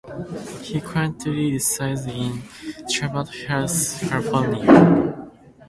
He currently resides in Cheviot Hills, California.